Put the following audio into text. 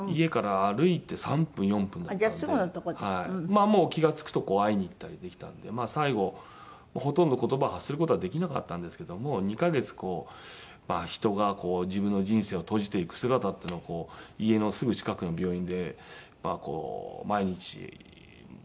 まあもう気が付くとこう会いに行ったりできたのでまあ最後ほとんど言葉発する事はできなかったんですけども２カ月こう人が自分の人生を閉じていく姿っていうのを家のすぐ近くの病院で毎日こう。